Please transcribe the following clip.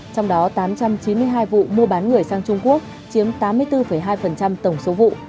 trong đó tám trăm chín mươi hai vụ mua bán người sang trung quốc chiếm tám mươi bốn hai tổng số vụ